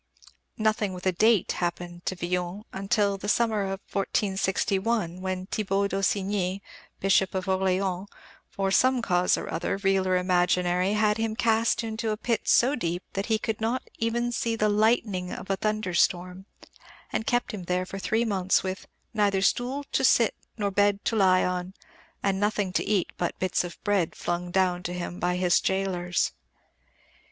Nothing with a date happened to Villon till the summer of 1461, when Thibault d'Aussigny, Bishop of Orléans, for some cause or other, real or imaginary, had him cast into a pit so deep that he "could not even see the lightning of a thunderstorm," and kept him there for three months with "neither stool to sit nor bed to lie on, and nothing to eat but bits of bread flung down to him by his gaolers."